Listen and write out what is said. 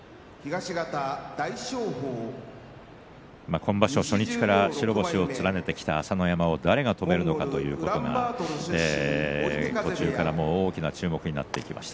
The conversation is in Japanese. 今場所、初日から白星を連ねてきた朝乃山を誰が止めるのかということが途中から大きな注目になってきました。